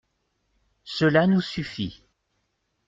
Cela nous suffit.